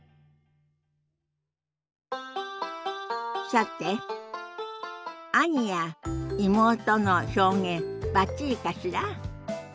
さて「兄」や「妹」の表現バッチリかしら？